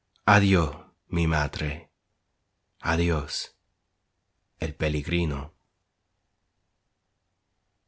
Adios, mi madre! adios El Peligrino.